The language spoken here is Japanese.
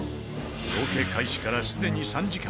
ロケ開始からすでに３時間。